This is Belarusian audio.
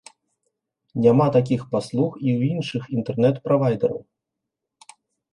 Няма такіх паслуг і ў іншых інтэрнэт-правайдараў.